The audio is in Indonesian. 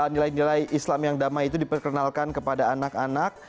nilai nilai islam yang damai itu diperkenalkan kepada anak anak